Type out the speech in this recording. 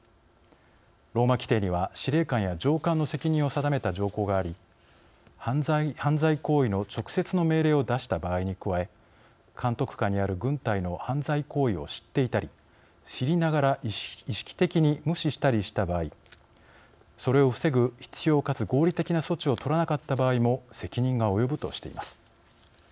ローマ規程には、司令官や上官の責任を定めた条項があり犯罪行為の直接の命令を出した場合に加え監督下にある軍隊の犯罪行為を知っていたり、知りながら意識的に無視したりした場合それを防ぐ必要かつ合理的な措置を取らなかった場合も責任が及ぶとしています。